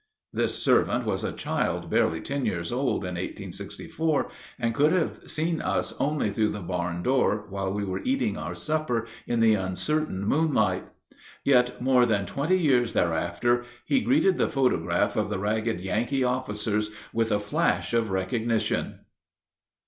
This servant was a child barely ten years old in 1864, and could have seen us only through the barn door while we were eating our supper in the uncertain moonlight. Yet more than twenty years thereafter he greeted the photograph of the ragged Yankee officers with a flash of recognition.